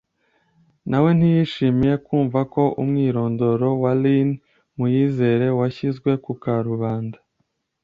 nawe ntiyishimiye kumva ko umwirondoro wa Lin Muyizere washyizwe ku karubanda